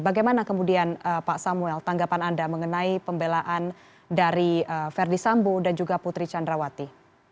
bagaimana kemudian pak samuel tanggapan anda mengenai pembelaan dari verdi sambo dan juga putri candrawati